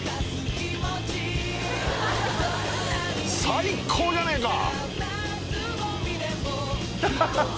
最高じゃねえか！